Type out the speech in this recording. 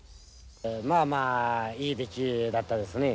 まあまあいい出来だったですね。